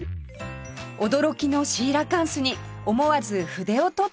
驚きのシーラカンスに思わず筆を執った純ちゃん